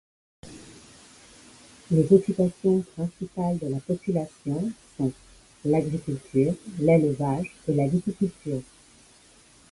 Les occupations principales de la population sont l'agriculture, l'élevage et la viticulture.